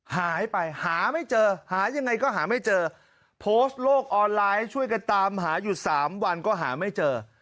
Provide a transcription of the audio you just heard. หายไปหาไม่เจอหายังไงก็หาไม่เจอโพสต์โลกออนไลน์ช่วยกันตามหาอยู่๓วันก็หาไม่เจอ